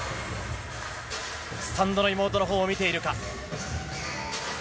スタンドの妹のほうを見ているか。